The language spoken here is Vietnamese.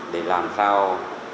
để làm sao